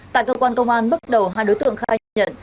tại cơ quan công an bước đầu hai đối tượng khai nhận